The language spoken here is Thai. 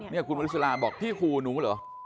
นี่คุณวริสลาบอกพี่ขู่หนูเหรอ